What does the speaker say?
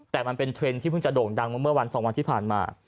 แต่มันเป็นเทรนด์ที่เพิ่งจะโด่งดังเมื่อวัน๒วันที่ผ่านมา